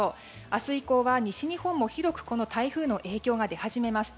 明日以降は西日本も広く台風の影響が出始めます。